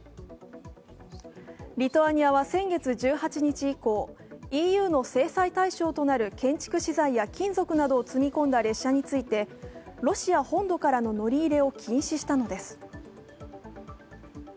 リトアニアは先月１８日以降、ＥＵの制裁対象となる建築資材や金属などを積み込んだ列車についてロシア本土からの乗り入れを禁止したのです。